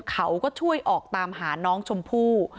เขาก็ช่วยออกตามหาน้องชมพู่